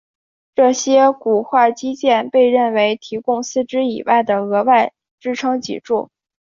这些骨化肌腱被认为提供四肢以外的额外支撑脊椎。